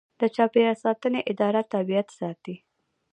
د چاپیریال ساتنې اداره طبیعت ساتي